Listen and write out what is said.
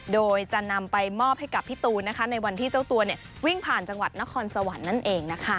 โดยจะนำไปมอบให้กับพี่ตูนนะคะในวันที่เจ้าตัววิ่งผ่านจังหวัดนครสวรรค์นั่นเองนะคะ